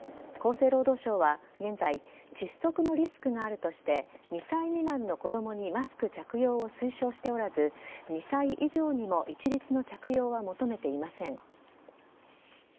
厚生労働省は現在窒息のリスクがあるとして２歳未満の子供にマスク着用を推奨しておらず２歳以上にも一律の着用は求めていません。